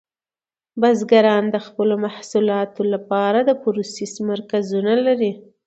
بزګران د خپلو محصولاتو لپاره د پروسس مرکزونه لري.